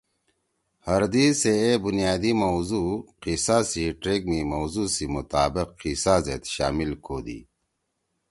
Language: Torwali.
ہر دی سے اے بنیادی موضوع قصہ سی ٹریک می موضوع سی مطابق قصہ زید شامل کودی۔